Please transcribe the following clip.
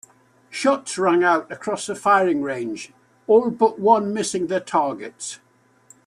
Shots rang out across the firing range, all but one missing their targets.